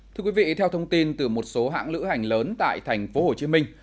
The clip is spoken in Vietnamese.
thưa quý vị theo thông tin từ một số hãng lữ hành lớn tại thành phố hồ chí minh